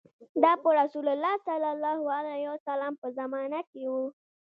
دا په رسول الله په زمانه کې و.